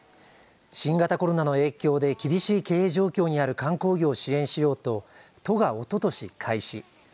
新型コロナの影響で厳しい経営状況にある観光業を支援しようと都がおととし開始。